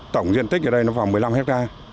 tổng diện tích ở đây nó vào một mươi năm hectare